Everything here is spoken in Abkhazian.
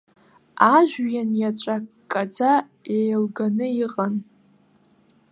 Ажәҩан иаҵәа ккаӡа еилганы иҟан.